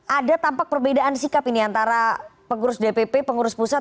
ada tampak perbedaan sikap ini antara pengurus dpp pengurus pusat